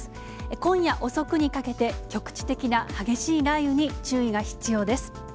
今夜遅くにかけて、局地的な激しい雷雨に注意が必要です。